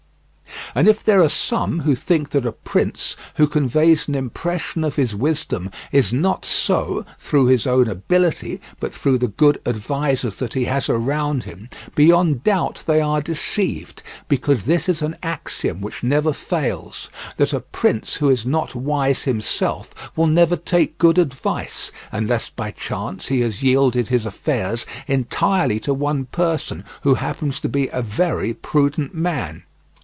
And if there are some who think that a prince who conveys an impression of his wisdom is not so through his own ability, but through the good advisers that he has around him, beyond doubt they are deceived, because this is an axiom which never fails: that a prince who is not wise himself will never take good advice, unless by chance he has yielded his affairs entirely to one person who happens to be a very prudent man.